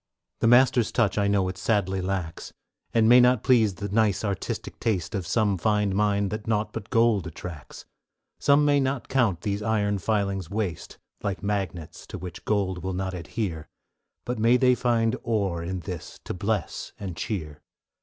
The Master's touch I know it sadly lacks, And may not please the nice artistic taste Of some fine mind that naught but gold attracts; Some may not count these iron filings waste; Like magnets, to which gold will not adhere, May they find ore in this to bless and cheer.